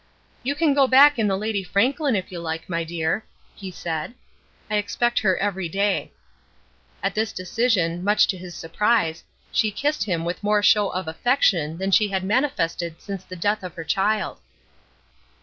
"You can go back in the Lady Franklin if you like, my dear," he said. "I expect her every day." At this decision much to his surprise she kissed him with more show of affection than she had manifested since the death of her child.